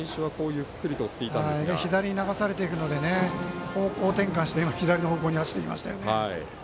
左に流されていくので方向転換して左の方向に走っていきましたよね。